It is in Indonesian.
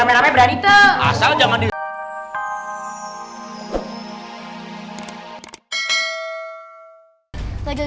berani berani asal jangan